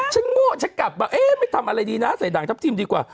โง่ฉันกลับมาเอ๊ะไม่ทำอะไรดีนะใส่ด่างทัพทิมดีกว่า